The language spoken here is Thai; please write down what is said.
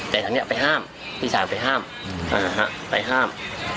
แต่ทางนี้ไปห้ามพี่สาวไปห้ามไปห้าม